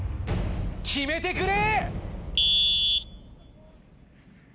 決めてくれ！